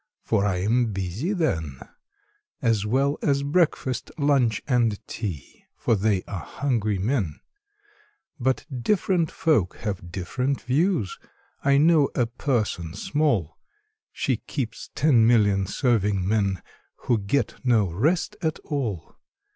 For I am busy then, As well as breakfast, lunch, and tea, For they are hungry men: But different folk have different views: I know a person small She keeps ten million serving men, Who get no rest at all!